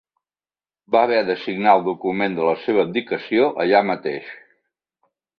Va haver de signar el document de la seva abdicació allà mateix.